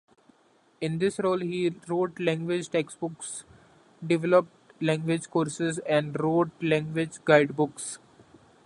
In this role, he wrote language textbooks, developed language courses, and wrote language guidebooks.